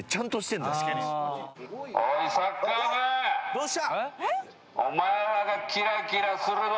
どうした？